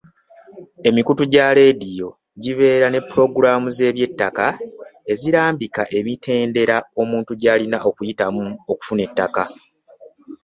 Emikutu gya leediyo gibeera ne pulogulaamu z’eby'ettaka ezirambika emitendera omuntu gy’alina okuyitamu okufuna ettaka.